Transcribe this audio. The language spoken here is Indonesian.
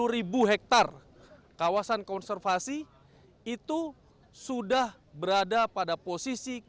delapan puluh ribu hektare kawasan konservasi itu sudah berada pada posisi kriminal